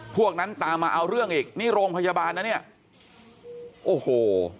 พวกนั้นตามมาเอาเรื่องอีกนี่โรงพยาบาลนะเนี่ยโอ้โห